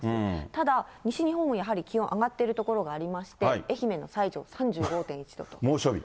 ただ、西日本やはり気温上がっている所がありまして、猛暑日。